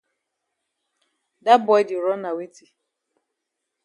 Dat boy di run na weti?